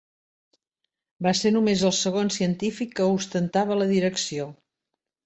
Va ser només el segon científic que ostentava la direcció.